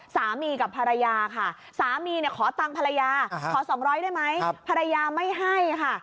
สามีกับภรรยาค่ะสามีขอตังค์ภรรยาขอ๒๐๐ได้ไหมภรรยาไม่ให้ค่ะ